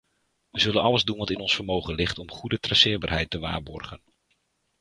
We zullen alles doen wat in ons vermogen ligt om goede traceerbaarheid te waarborgen.